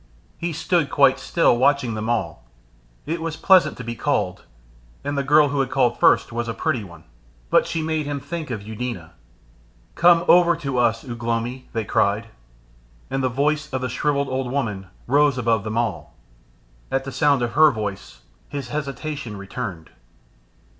He stood quite still watching them all. It was pleasant to be called, and the girl who had called first was a pretty one. But she made him think of Eudena. "Come over to us, Ugh lomi," they cried, and the voice of the shrivelled old woman rose above them all. At the sound of her voice his hesitation returned.